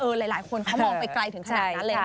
หลายคนเขามองไปไกลถึงขนาดนั้นเลยนะ